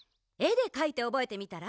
でかいておぼえてみたら？